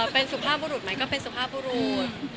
เป็นสุภาพบุรุษไหมก็เป็นสุภาพบุรุษ